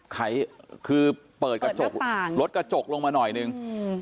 ใครคือเปิดกระจกลดกระจกลงมาหน่อยนึง